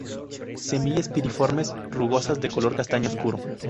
Semillas piriformes, rugosas, de color castaño oscuro.